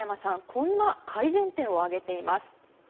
こんな改善点を挙げています。